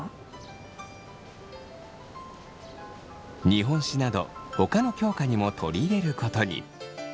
日本史などほかの教科にも取り入れることに。